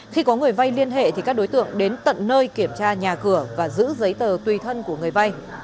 khi có người vay liên hệ thì các đối tượng đến tận nơi kiểm tra nhà cửa và giữ giấy tờ tùy thân của người vay